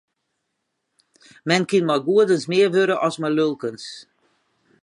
Men kin mei goedens mear wurde as mei lulkens.